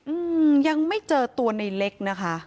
อืมยังไม่เจอตัวในเล็กนะคะ